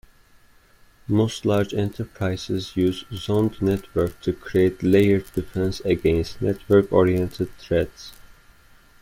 Most large enterprises use zoned network to create layered defense against network oriented threats.